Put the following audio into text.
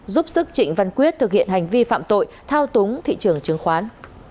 giúp sức trịnh văn quyết thực hiện hành vi phạm tội thao túng thị trường chứng khoán